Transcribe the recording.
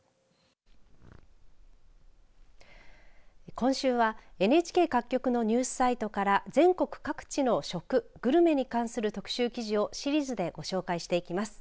今週はＮＨＫ各局のニュースサイトから全国各地の食・グルメに関する特集記事をシリーズでご紹介していきます。